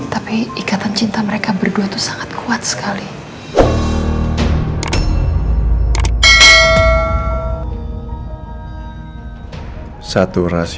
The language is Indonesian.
tapi ikatan cinta mereka berdua itu sangat kuat sekali